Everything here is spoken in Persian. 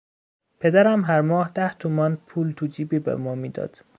پدرم هر ماه ده تومان پول توجیبی به ما میداد.